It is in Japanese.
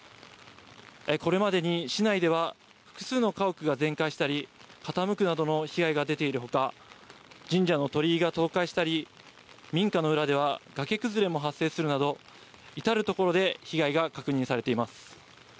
これまでに市内では複数の家屋が全壊したり、傾くなどの被害が出ているほか、神社の鳥居が倒壊したり、民家の裏ではがけ崩れも発生するなど、至る所で被害が確認されています。